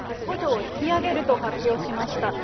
補助を引き上げると発表しました。